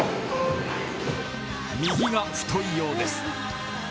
右が太いようです。